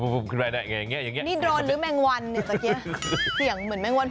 นี่โดรนหรือแมงวันเนี่ยเดี๋ยวเหมือนแมงวันหู